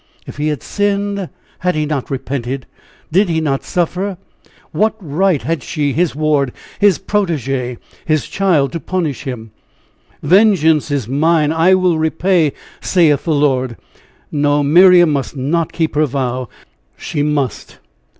If he had sinned, had he not repented? Did he not suffer? What right had she, his ward, his protégé, his child, to punish him? "Vengeance is mine I will repay, saith the Lord." No, Miriam must not keep her vow! She must!